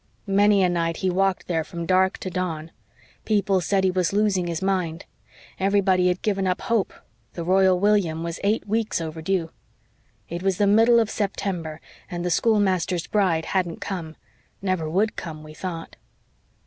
Many a night he walked there from dark to dawn. People said he was losing his mind. Everybody had given up hope the Royal William was eight weeks overdue. It was the middle of September and the schoolmaster's bride hadn't come never would come, we thought.